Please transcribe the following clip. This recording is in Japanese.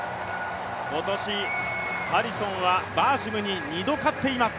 今年ハリソンはバーシムに２度勝っています。